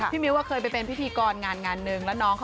พี่มิวอ่ะเคยไปเป็นพิธีกรงานหนึ่ง